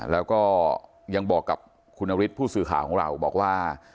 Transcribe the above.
แล้วก็ยังบอกกับคุณนฤทธิ์ผู้สื่อข่าวของเราบอกว่า